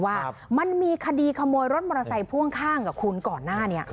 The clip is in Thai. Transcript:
ว่ามันมีคดีขโมยรถมอเตอร์ไซค์พ่วงข้างกับคุณก่อนหน้านี้